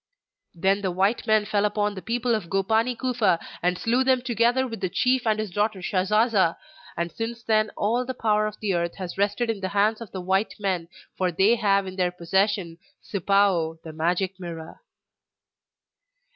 Then the white men fell upon the people of Gopani Kufa and slew them together with the chief and his daughter Shasasa; and since then all the power of the Earth has rested in the hands of the white men, for they have in their possession Sipao, the Magic Mirror.